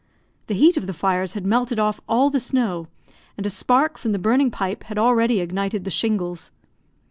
The heat of the fires had melted off all the snow, and a spark from the burning pipe had already ignited the shingles.